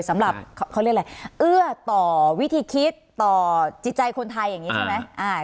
สำหรับเขาเรียกอะไรเอื้อต่อวิธีคิดต่อจิตใจคนไทยอย่างนี้ใช่ไหม